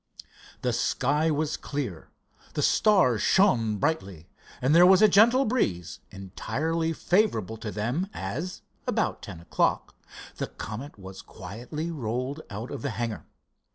The sky was clear, the stars shone brightly and there was a gentle breeze entirely favorable to them, as, about ten o'clock the Comet was quietly rolled out of the hangar.